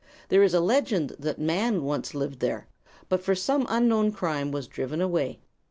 There is a legend that man once lived there, but for some unknown crime was driven away.